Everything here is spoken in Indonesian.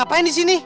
apa yang di sini